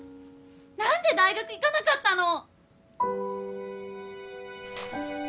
何で大学行かなかったの！